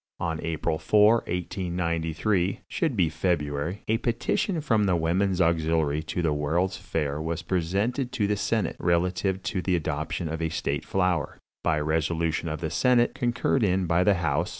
"On April 4, 1893 [should be February], a petition from the Women's Auxiliary to the World's Fair was presented to the senate, relative to the adoption of a state flower. By resolution of the senate, concurred in by the house